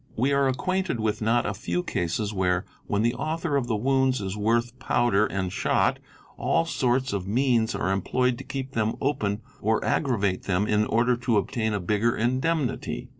We are acquainted with not a few cases where, when the author of the wounds is worth powder and shot, all sorts of means are employed to keep them open a or aggravate them in order to obtain a bigger indemnity.